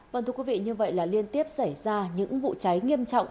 vâng thưa quý vị như vậy là liên tiếp xảy ra những vụ cháy nghiêm trọng